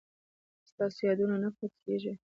ایا ستاسو یادونه نه پاتې کیږي؟